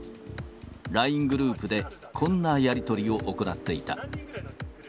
ＬＩＮＥグループで、こんなやり取りを行っていた。